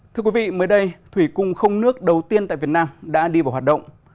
thưa quý vị mới đây thủy cung không nước đầu tiên tại việt nam đã đi vào hoạt động